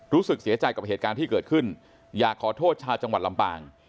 รู้สึกเสียใจกับเหตุการณ์ที่เกิดขึ้นอยากขอโทษชาวจังหวัดลำปาง